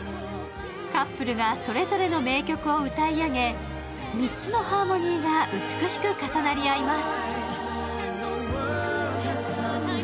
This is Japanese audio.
カップルがそれぞれの名曲を歌い上げ３つのハーモニーが美しく重なり合います。